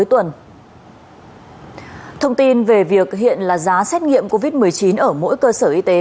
thông tin về việc hiện là giá xét nghiệm covid một mươi chín ở mỗi cơ sở y tế